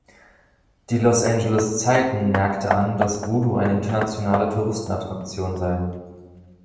Die „Los Angeles Zeiten“ merkte an, dass Voodoo eine internationale Touristenattraktion sei.